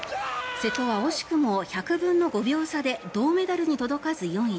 瀬戸は惜しくも１００分の５秒差で銅メダルに届かず４位。